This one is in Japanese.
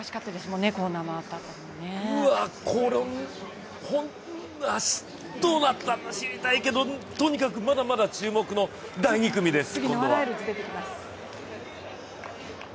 うわこれはどうなったのか知りたいけどまだまだ注目の第２組です。